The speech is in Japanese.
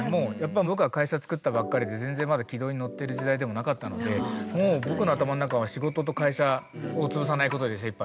僕は会社作ったばっかりで全然まだ軌道に乗ってる時代でもなかったのでもう僕の頭の中は仕事と会社をつぶさないことで精いっぱい。